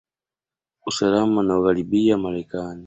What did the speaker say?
usalama na ugharibiya marekani